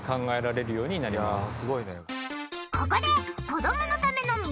ここで。